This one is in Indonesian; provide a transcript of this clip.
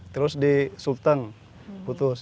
terus di sulteng putus